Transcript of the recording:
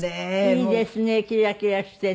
いいですねキラキラしてて。